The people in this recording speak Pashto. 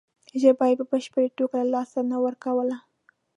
ژبه یې په بشپړه توګه له لاسه نه ورکوله.